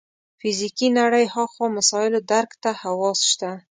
فزیکي نړۍ هاخوا مسایلو درک ته حواس شته.